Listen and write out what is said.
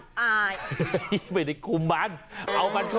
พี่พินโย